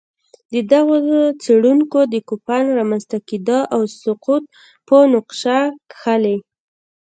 دغو څېړونکو د کوپان رامنځته کېدا او سقوط په نقشه کښلي